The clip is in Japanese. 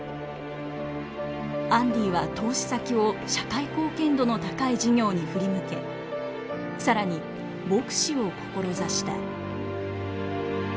アンディは投資先を社会貢献度の高い事業に振り向け更に牧師を志した。